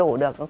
chưa đủ được